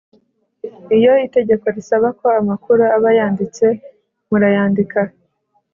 Iyo itegeko risaba ko amakuru aba yanditse murayandika